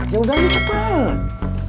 jauh dari cepet